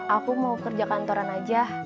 aku mau kerja kantoran aja